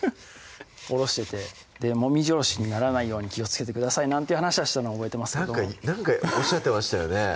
おろしてて「もみじおろしにならないように気をつけてください」なんて話はしたのを覚えてますけどなんかおっしゃってましたよね